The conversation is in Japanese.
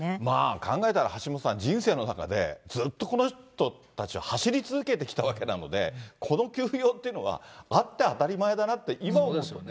考えたら橋下さん、人生の中でずっとこの人たちって走り続けてきたわけなので、この休養っていうのは、あって当たり前だなって今思うとね。